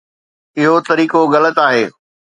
اهو طريقو غلط آهي.